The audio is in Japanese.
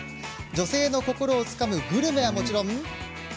女性の心をつかむグルメはもちろん。